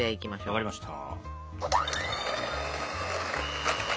分かりました。